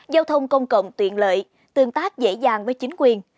giao thông công cộng tuyện lợi tương tác dễ dàng với chính quyền